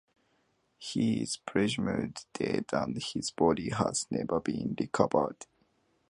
He is presumed dead and his body has never been recovered.